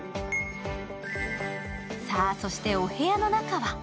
そしてお部屋の中は？